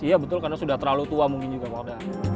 iya betul karena sudah terlalu tua mungkin juga pak oda